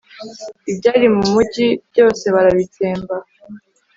ibyari mu mugi byose barabitsemba